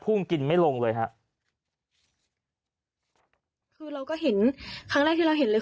กินไม่ลงเลยฮะคือเราก็เห็นครั้งแรกที่เราเห็นเลย